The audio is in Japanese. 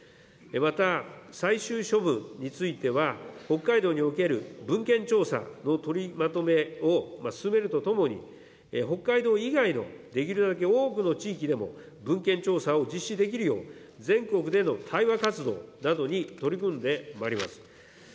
また最終処分については、北海道における文献調査の取りまとめを進めるとともに、北海道以外のできるだけ多くの地域でも、文献調査を実施できるよう、全国での対話活動などに取り組んでまいります。